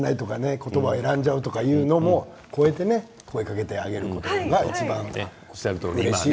言葉を選んじゃうというのを超えて声をかけてあげることがいちばんうれしいんですね。